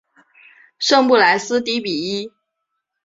圣布莱斯迪比伊。